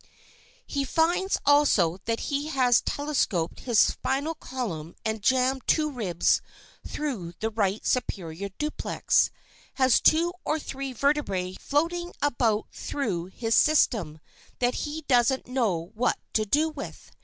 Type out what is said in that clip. He finds also that he has telescoped his spinal column and jammed two ribs through the right superior duplex, has two or three vertebræ floating about through his system that he doesn't know what to do with.